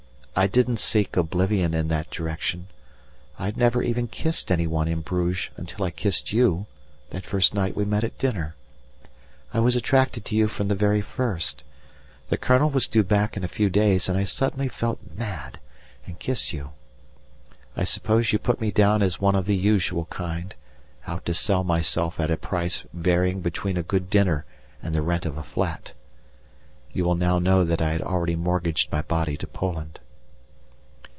I didn't seek oblivion in that direction! I had never even kissed anyone in Bruges until I kissed you that first night we met at dinner I was attracted to you from the very first; the Colonel was due back in a few days, and I suddenly felt mad, and kissed you. I suppose you put me down as one of the usual kind, out to sell myself at a price varying between a good dinner and the rent of a flat! You will now know that I had already mortgaged my body to Poland.